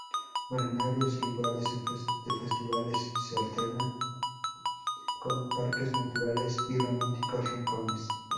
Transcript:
Balnearios y lugares de festivales se alternan con parques naturales y románticos rincones.